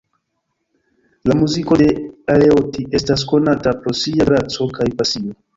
La muziko de Aleotti estas konata pro sia graco kaj pasio.